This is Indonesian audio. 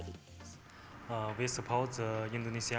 kami mendukung pemerintah indonesia